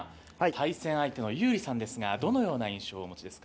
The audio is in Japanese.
対戦相手のＹＯＵＲＩさんですがどのような印象をお持ちですか？